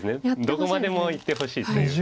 どこまでもいってほしいという。